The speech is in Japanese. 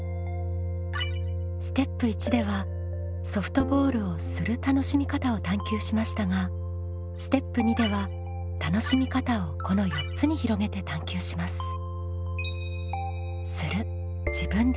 ステップ１ではソフトボールをする楽しみ方を探究しましたがステップ２では楽しみ方をこの４つに広げて探究します。